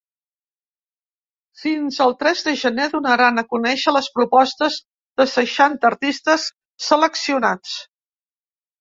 Fins al tres de gener, donaran a conèixer les propostes de seixanta artistes seleccionats.